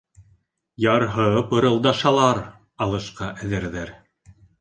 Ярһып ырылдашалар — алышҡа әҙерҙәр.